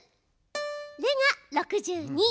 「レ」が６２。